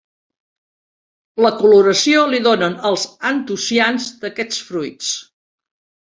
La coloració li donen els antocians d'aquests fruits.